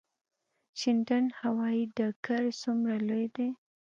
شینډنډ هوايي ډګر څومره لوی دی؟